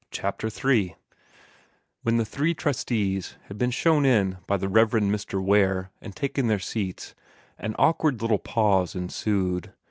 CHAPTER III When the three trustees had been shown in by the Rev. Mr. Ware, and had taken seats, an awkward little pause ensued.